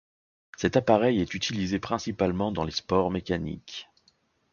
Cet appareil est utilisé principalement dans les sports mécaniques.